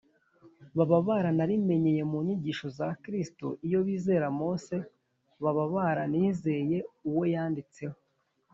baba baranarimenyeye mu nyigisho za kristo iyo bizera mose baba baranizeye uwo yanditseho